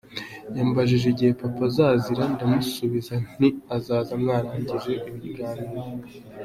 Yambajije igihe Papa azazira ndamusubiza nti azaza mwarangije ibiganiro.